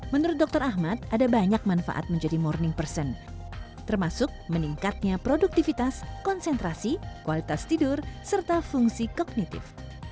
menurut dokter ahmad ada banyak manfaat menjadi morning person termasuk meningkatnya produktivitas konsentrasi kualitas tidur serta fungsi kognitif